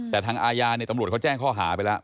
แต่ทางอาญาตำรวจเขาแจ้งข้อหาไปแล้ว